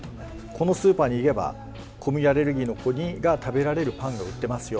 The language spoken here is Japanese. このスーパーに行けば小麦アレルギーの子が食べられるパンが売ってますよ